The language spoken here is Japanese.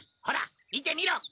ほら見てみろ。